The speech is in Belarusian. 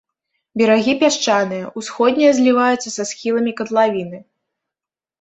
Берагі пясчаныя, усходнія зліваюцца са схіламі катлавіны.